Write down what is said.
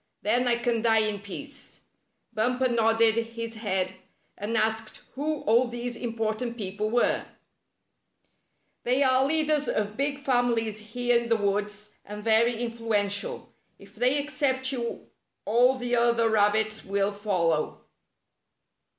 Then I can die in peace." Bumper nodded his head, and asked who all these important people were. 74 Rusty Warns Bumper " They are leaders of big families here in the woods, and very influential. If they accept you all the other rabbits will follow.